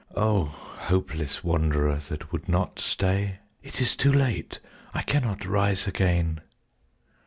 O hopeless wanderer that would not stay, ("It is too late, I cannot rise again!")